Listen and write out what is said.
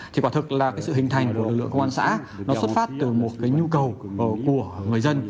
thì quả thực là cái sự hình thành của lực lượng công an xã nó xuất phát từ một cái nhu cầu của người dân